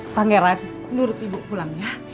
pangeran nurut ibu pulang ya